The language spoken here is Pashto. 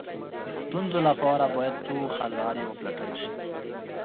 د ستونزو لپاره باید څو حل لارې وپلټل شي.